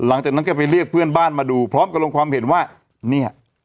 หลังจากนั้นก็ไปเรียกเพื่อนบ้านมาดูพร้อมกับลงความเห็นว่าเนี่ย